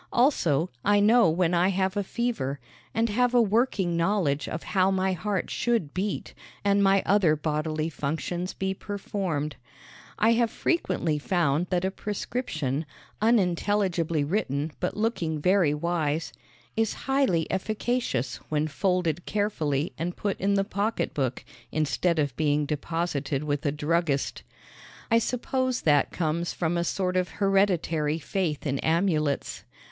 Also, I know when I have a fever, and have a working knowledge of how my heart should beat and my other bodily functions be performed. I have frequently found that a prescription, unintelligibly written but looking very wise, is highly efficacious when folded carefully and put in the pocketbook instead of being deposited with a druggist. I suppose that comes from a sort of hereditary faith in amulets.